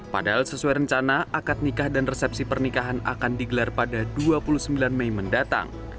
padahal sesuai rencana akad nikah dan resepsi pernikahan akan digelar pada dua puluh sembilan mei mendatang